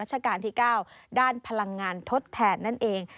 ราชการที่๙ด้านพลังงานทดแทนนั่นเอง